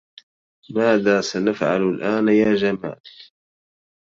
ماذا سنفعل الآن يا جمال؟